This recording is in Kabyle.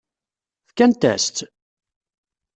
Fkant-as-tt?